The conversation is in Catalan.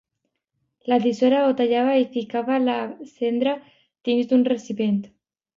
La tisora ho tallava i ficava la cendra dins d'un recipient.